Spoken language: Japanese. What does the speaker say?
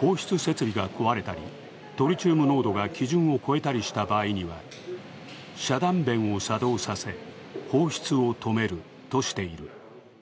放出設備が壊れたり、トリチウム濃度が基準を超えたりした場合には、遮断弁を作動させ、放出を止めるとしている。